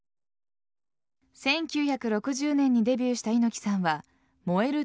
１９６０年にデビューした猪木さんは燃える